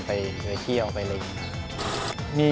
ไปโดยเที่ยวอะไรอย่างนี้